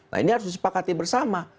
nah ini harus disepakati bersama